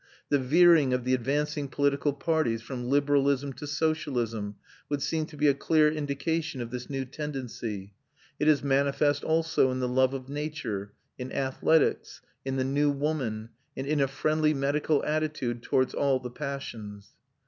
The veering of the advanced political parties from liberalism to socialism would seem to be a clear indication of this new tendency. It is manifest also in the love of nature, in athletics, in the new woman, and in a friendly medical attitude towards all the passions.